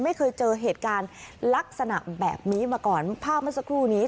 ไม่เคยเจอเหตุการณ์ลักษณะแบบนี้มาก่อนภาพเมื่อสักครู่นี้